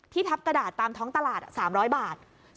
ทับกระดาษตามท้องตลาด๓๐๐บาท